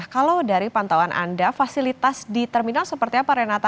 kalau dari pantauan anda fasilitas di terminal seperti apa renata